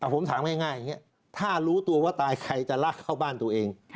ผมถามง่ายอย่างนี้ถ้ารู้ตัวว่าตายใครจะลากเข้าบ้านตัวเอง